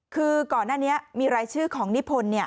คือก่อนหน้านี้มีรายชื่อของนิพนธ์